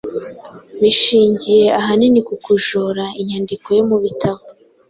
bishingiye ahanini ku kujora inyandiko yo mu bitabo